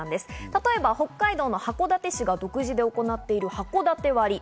例えば北海道の函館市が独自で行っている、はこだて割。